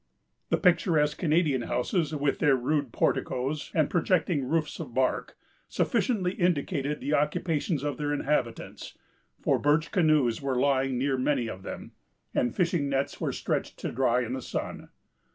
The picturesque Canadian houses, with their rude porticoes, and projecting roofs of bark, sufficiently indicated the occupations of their inhabitants; for birch canoes were lying near many of them, and fishing nets were stretched to dry in the sun.